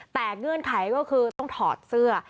แต่เงื่อนไขก็คือต้องถอดเสื้อ